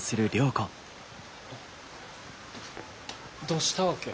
どうしたわけ？